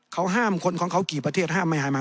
เขาห้ามคนของเขากี่ประเทศห้ามมาไทย